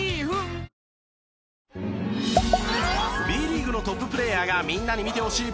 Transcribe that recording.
Ｂリーグのトッププレーヤーがみんなに見てほしい